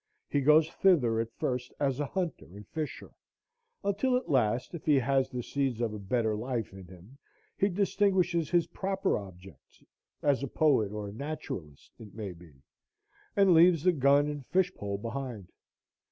He goes thither at first as a hunter and fisher, until at last, if he has the seeds of a better life in him, he distinguishes his proper objects, as a poet or naturalist it may be, and leaves the gun and fish pole behind.